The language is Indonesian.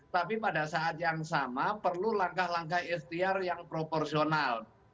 tapi pada saat yang sama perlu langkah langkah ikhtiar yang proporsional